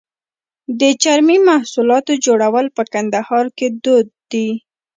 د چرمي محصولاتو جوړول په کندهار کې دود دي.